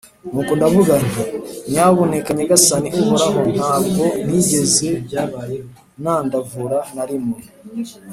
Nuko ndavuga nti «Nyabuneka Nyagasani Uhoraho, nta bwo nigeze nandavura na rimwe